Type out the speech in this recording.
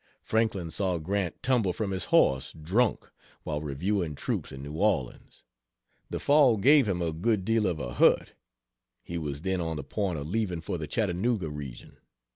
Franklin saw Grant tumble from his horse drunk, while reviewing troops in New Orleans. The fall gave him a good deal of a hurt. He was then on the point of leaving for the Chattanooga region.